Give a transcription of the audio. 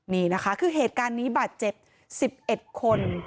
นี่นะคะคือเหตุการณ์นี้บาดเจ็บ๑๑คน